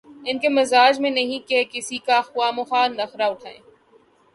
ان کے مزاج میں نہیں کہ کسی کا خواہ مخواہ نخرہ اٹھائیں۔